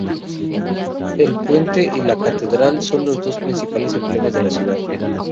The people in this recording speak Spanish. El puente y la catedral son los dos principales emblemas de la ciudad.